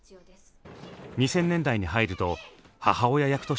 ２０００年代に入ると母親役としても活躍。